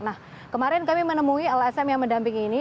nah kemarin kami menemui lsm yang mendampingi ini